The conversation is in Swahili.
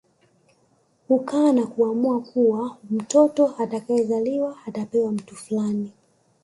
Hukaa na kuamua kuwa mtoto atakayezaliwa atapewa mtu fulani